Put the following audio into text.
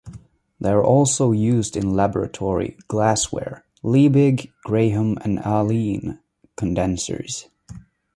They are also used in laboratory glassware: Liebig, Graham, and Allihn condensers.